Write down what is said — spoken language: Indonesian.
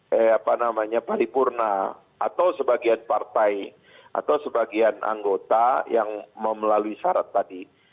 apa namanya paripurna atau sebagian partai atau sebagian anggota yang memelalui syarat tadi